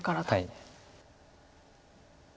はい。